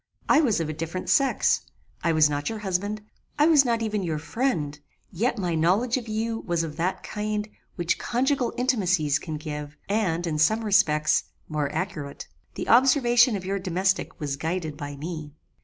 I was of a different sex: I was not your husband; I was not even your friend; yet my knowledge of you was of that kind, which conjugal intimacies can give, and, in some respects, more accurate. The observation of your domestic was guided by me.